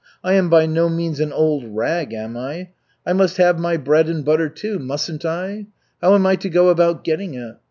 I am by no means an old rag, am I? I must have my bread and butter, too, mustn't I? How am I to go about getting it?